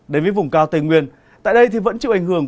đến với vùng cao tây nguyên tại đây thì vẫn chịu ảnh hưởng